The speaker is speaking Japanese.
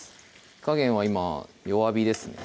火加減は今弱火ですね